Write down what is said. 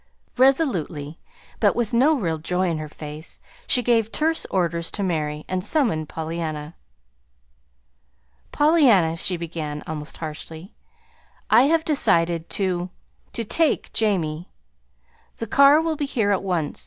Resolutely, but with no real joy in her face, she gave terse orders to Mary, and summoned Pollyanna. "Pollyanna," she began, almost harshly, "I have decided to to take Jamie. The car will be here at once.